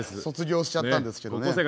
卒業しちゃったんですけどね。